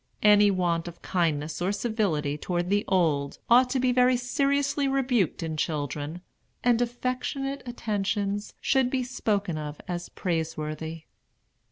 Any want of kindness or civility toward the old ought to be very seriously rebuked in children; and affectionate attentions should be spoken of as praiseworthy.